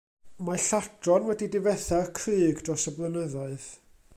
Mae lladron wedi difetha'r crug dros y blynyddoedd.